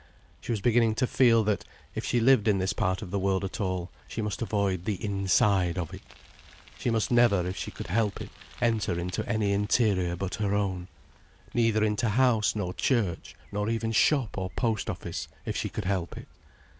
She was beginning to feel that, if she lived in this part of the world at all, she must avoid the inside of it. She must never, if she could help it, enter into any interior but her own—neither into house nor church nor even shop or post office, if she could help it.